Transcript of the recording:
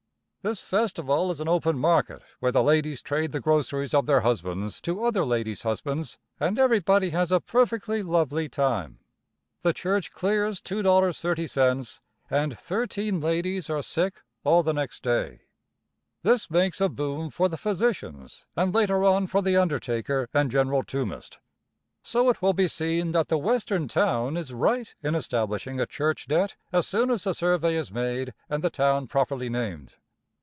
This festival is an open market where the ladies trade the groceries of their husbands to other ladies' husbands, and everybody has a "perfectly lovely time." The church clears $2.30, and thirteen ladies are sick all the next day. This makes a boom for the physicians and later on for the undertaker and general tombist. So it will be seen that the Western town is right in establishing a church debt as soon as the survey is made and the town properly named.